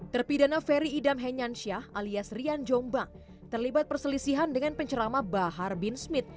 terpidana ferry idam henyansyah alias rian jombang terlibat perselisihan dengan pencerama bahar bin smith